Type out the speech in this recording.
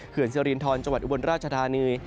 เขื่อนเซอรีนทรจังหวัดอุบันราชธานี